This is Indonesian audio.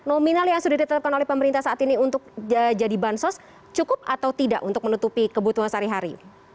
nominal yang sudah ditetapkan oleh pemerintah saat ini untuk jadi bansos cukup atau tidak untuk menutupi kebutuhan sehari hari